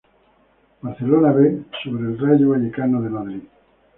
Barcelona "B" sobre el Rayo Vallecano de Madrid.